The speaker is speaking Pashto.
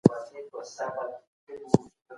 د کتاب مينه وال هېڅکله يوازې نه وي.